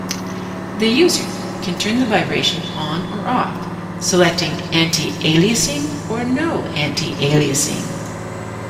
The user can turn the vibration on or off, selecting anti-aliasing or no anti-aliasing.